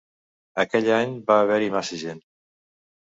Aquell any va haver-hi massa gent.